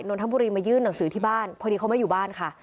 นทบุรีมายื่นหนังสือที่บ้านพอดีเขาไม่อยู่บ้านค่ะ